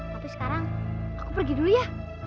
tapi sekarang aku pergi dulu ya